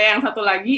yang satu lagi